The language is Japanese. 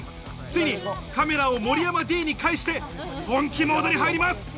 ついにカメラを森山Ｄに返して本気モードに入ります。